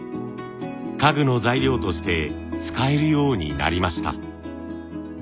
家具の材料として使えるようになりました。